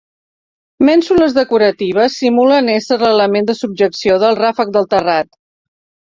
Mènsules decoratives simulen ésser l'element de subjecció del ràfec del terrat.